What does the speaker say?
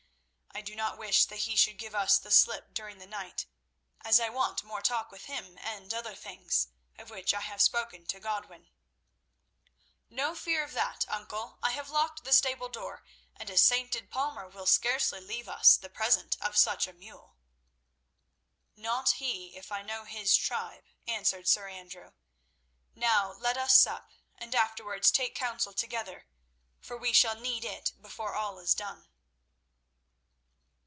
I do not wish that he should give us the slip during the night, as I want more talk with him and other things, of which I have spoken to Godwin." "No fear of that, uncle. I have locked the stable door, and a sainted palmer will scarcely leave us the present of such a mule." "Not he, if I know his tribe," answered Sir Andrew. "Now let us sup and afterwards take counsel together, for we shall need it before all is done."